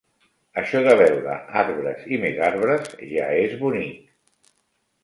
Això de veure arbres i més arbres ja és bonic